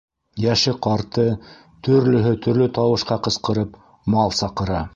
Йәше-ҡарты, төрлөһө төрлө тауышҡа ҡысҡырып, мал саҡыра: